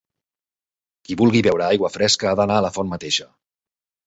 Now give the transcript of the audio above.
Qui vulgui beure aigua fresca ha d'anar a la font mateixa.